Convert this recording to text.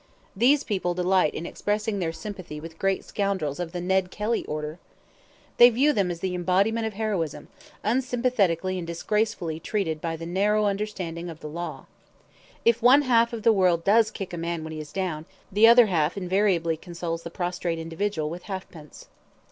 These people delight in expressing their sympathy with great scoundrels of the Ned Kelly order. They view them as the embodiment of heroism, unsympathetically and disgracefully treated by the narrow understanding of the law. If one half the world does kick a man when he is down, the other half invariably consoles the prostrate individual with halfpence.